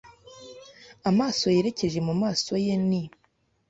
Amaso yerekeje mumaso ye ni